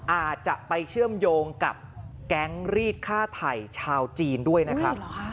อาจจะไปเชื่อมโยงกับแก๊งรีดฆ่าไถ่ชาวจีนด้วยนะครับ